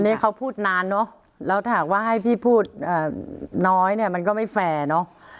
นี่เขาพูดนานเนอะแล้วถามว่าให้พี่พูดน้อยเนี่ยมันก็ไม่แฟร์เนอะ